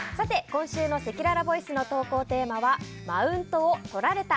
今週のせきららボイスの投稿テーマはマウントをとられた！